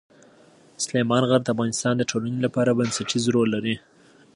سلیمان غر د افغانستان د ټولنې لپاره بنسټيز رول لري.